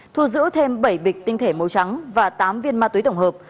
thu giữ thêm bảy bịch tinh thể màu trắng và tám viên ma túy tổng hợp